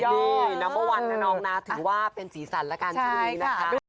สุดยอดน้องพะวันนะน้องน้าถือว่าเป็นสีสันแล้วกันทุกวันนี้นะคะ